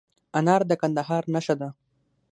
انار د کندهار نښه ده.